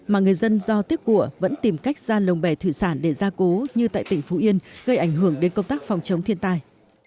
mà người dân do tiếc của vẫn tìm cách ra lồng bè thủy sản để ra cố như tại tỉnh phú yên gây ảnh hưởng đến công tác phòng chống thiên tai